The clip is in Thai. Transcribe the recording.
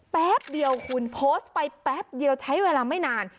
แป๊บเดียวคุณโพสต์ไปแป๊บเดียวใช้เวลาไม่นาน